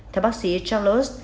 theo bác sĩ charles